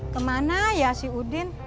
kemana ya si udin